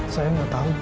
saya gak tau